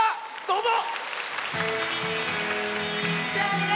どうぞ。